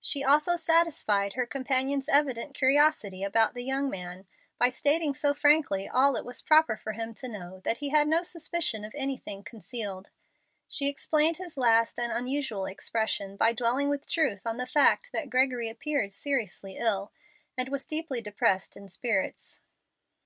She also satisfied her companion's evident curiosity about the young man by stating so frankly all it was proper for him to know that he had no suspicion of anything concealed. She explained his last and unusual expression by dwelling with truth on the fact that Gregory appeared seriously ill and was deeply depressed in spirits.